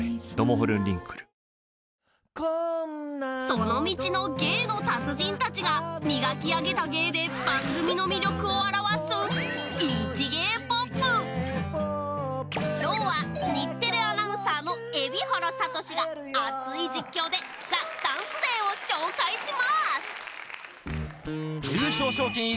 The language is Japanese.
その道の芸の達人たちが磨き上げた芸で番組の魅力を表す今日は日テレアナウンサーの蛯原哲が熱い実況で『ＴＨＥＤＡＮＣＥＤＡＹ』を紹介します！